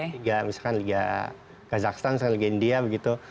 liga misalkan liga kazakhstan liga india begitu